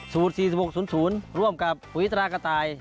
๔๖๐ร่วมกับปุ๋ยตรากระต่าย